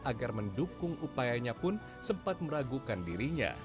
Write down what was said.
agar mendukung upayanya pun sempat meragukan dirinya